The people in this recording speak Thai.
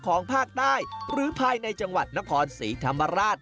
ของภาคใต้หรือภายในจังหวัดนครศรีธรรมราช